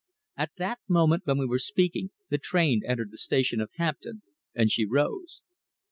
At the moment when we were speaking the train entered the station of Hampton, and she rose.